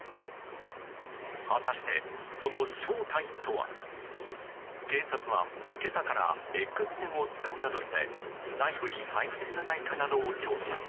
果たして、その正体とは。警察は今朝からＸ線を使うなどして内部に配線がないかなどを調査。